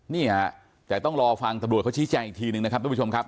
นี่ฮะแต่ต้องรอฟังตำรวจเขาชี้แจงอีกทีนึงนะครับทุกผู้ชมครับ